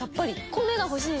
米が欲しい！